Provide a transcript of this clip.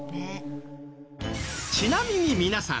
ちなみに皆さん